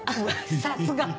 さすが！